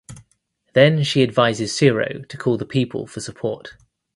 Then she advises Siroe to call the people for support.